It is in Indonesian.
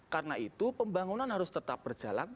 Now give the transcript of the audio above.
karena itu pembangunan harus tetap berjalan